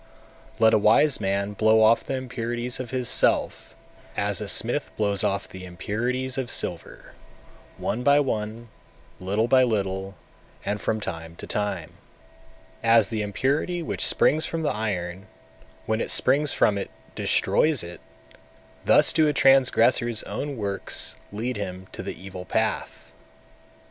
Let a wise man blow off the impurities of his self, as a smith blows off the impurities of silver one by one, little by little, and from time to time. 240. As the impurity which springs from the iron, when it springs from it, destroys it; thus do a transgressor's own works lead him to the evil path.